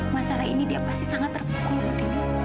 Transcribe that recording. masalah ini dia pasti sangat terpukul bu tini